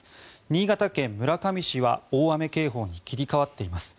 新潟県村上市は大雨警報に切り替わっています。